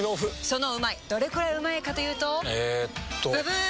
そのうまいどれくらいうまいかというとえっとブブー！